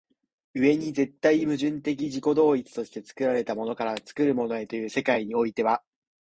上に絶対矛盾的自己同一として作られたものから作るものへという世界においては